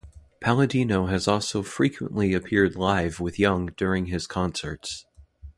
Palladino has also frequently appeared live with Young during his concerts.